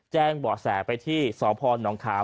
แจ้งบ่อแสงไปที่สพหนองขาม